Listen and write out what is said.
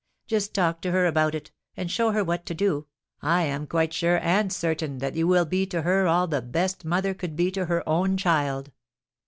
Just talk to her about it, and show her what to do,' I am quite sure and certain that you will be to her all the best mother could be to her own child."